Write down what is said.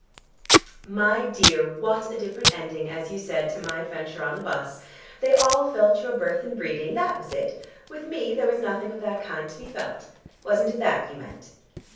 "My dear, what a different ending, as you said, to my adventure on the bus! They all felt your birth and breeding. That was it. With me there was nothing of that kind to be felt. Wasn't it that you meant?"